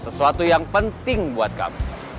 sesuatu yang penting buat kami